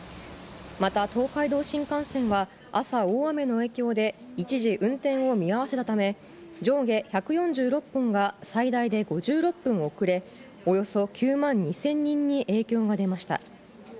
また東海道新幹線は、朝、大雨の影響で一時、運転を見合わせたため、上下１４６本が最大で５６分遅れ、およそ９万２０００人に影響が出ました。